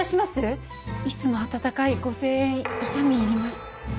「いつもあたたかいご声援痛み入ります」。